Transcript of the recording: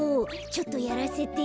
ちょっとやらせて。